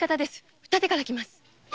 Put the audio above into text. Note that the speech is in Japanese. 二手から来ます。